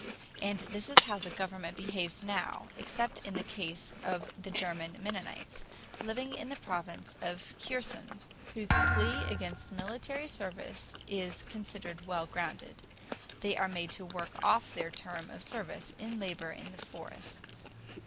And this is how the government behaves now, except in the case of the German Mennonites, living in the province of Kherson, whose plea against military service is considered well grounded. They are made to work off their term of service in labor in the forests.